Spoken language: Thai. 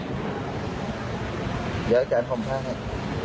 เดี๋ยวอาจารย์ความภาคให้